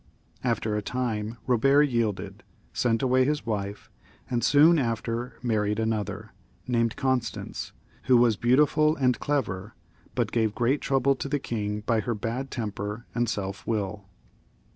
After a time Robert yielded, sent away his wife, and soon after married another, named Constance, who was beautiful and clever, but gave great trouble to the king by her bad temper and self will.